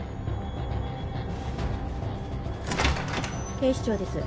警視庁です。